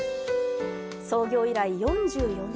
創業以来４４年。